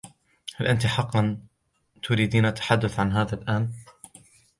هل أنتِ حقاً تريدين التحدث عن هذا الأن ؟